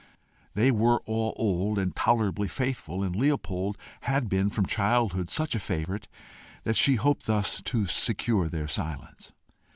They were all old and tolerably faithful, and Leopold had been from childhood such a favourite, that she hoped thus to secure their silence.